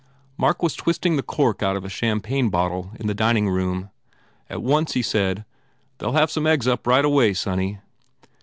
Mark was twisting the cork out of a cham pagne bottle in the dining room. At once he said, "They ll have some eggs up right away, sonny."